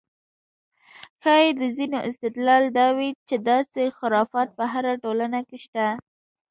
ښایي د ځینو استدلال دا وي چې داسې خرافات په هره ټولنه کې شته.